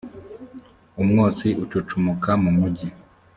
umwotsi ucucumuka mu mugi